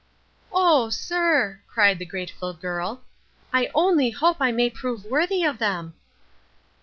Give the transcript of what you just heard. "Oh, sir," cried the grateful girl. "I only hope I may prove worthy of them!"